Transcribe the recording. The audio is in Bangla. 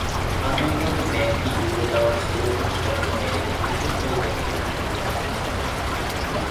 প্রাথমিকভাবে ব্যাংকটি ইউরো টাওয়ার ছিল কিন্তু বর্তমানে এর একটি নতুন সদর দপ্তর নির্মাণ করা হয়েছে।